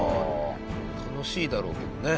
楽しいだろうけどね。